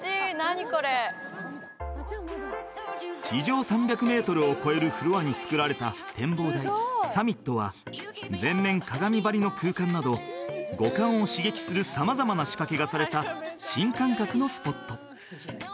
地上３００ｍのフロアに作られた展望台、サミットは全面鏡張りの空間など、五感を刺激するさまざまな仕掛けがされた新感覚のスポット。